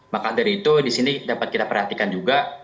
maka dari itu disini dapat kita perhatikan juga